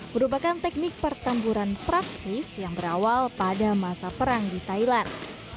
merupakan teknik pertempuran praktis yang berawal pada masa perang di thailand